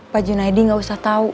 pak junaidi gak usah tau